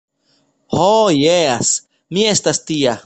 Ho jes! mi estas tia.